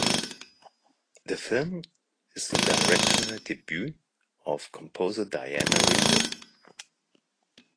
The film is the directorial debut of composer Diana Ringo.